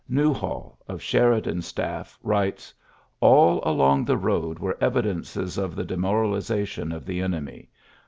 Newhall, of Sheridan's staff, writes : "All along the road were evidences of the demorali sation of the enemy.